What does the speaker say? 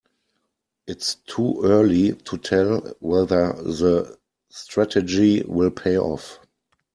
It's too early to tell whether the strategy will pay off.